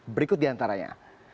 berikut di antaranya